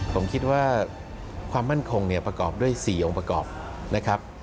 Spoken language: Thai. ผมคิดว่าความมั่นคงเนี่ยประกอบด้วย๔องค์ประกอบนะครับ